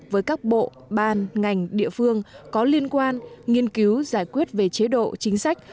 với các bộ ban ngành địa phương có liên quan nghiên cứu giải quyết về chế độ chính sách